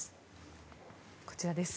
こちらです。